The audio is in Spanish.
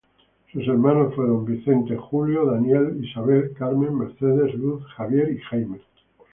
Sus hermanos fueron: Vicente, Julio, Daniel, Isabel, Carmen, Mercedes, Luz, Javier y Jaime.